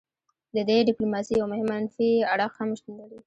د دې ډیپلوماسي یو مهم منفي اړخ هم شتون لري